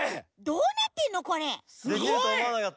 どうなってんの？